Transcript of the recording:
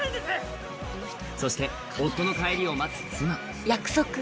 そして夫の帰りを待つ妻。